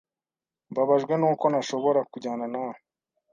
Mbabajwe nuko ntashobora kujyana na we.